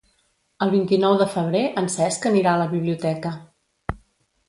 El vint-i-nou de febrer en Cesc anirà a la biblioteca.